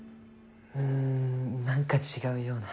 ん何か違うような。